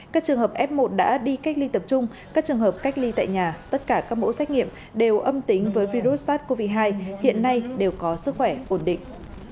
các trường hợp f một đã đi cách ly tập trung các trường hợp cách ly tại nhà tất cả các mẫu xét nghiệm đều âm tính với virus sars cov hai hiện nay đều có sức khỏe ổn định